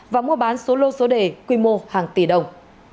và mua bán số lô số đề quy mô hàng tỷ đồng